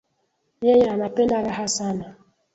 Yeye anapenda raha sana